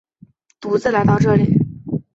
独自来到这里